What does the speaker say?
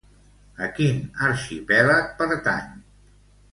A quin arxipèlag pertany?